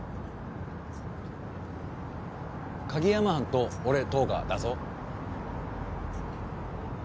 鍵山班と俺とがだぞ。